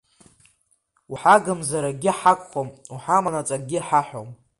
Уҳагымзар акгьы ҳагхом, уҳаманаҵ акгьы ҳаҳәом.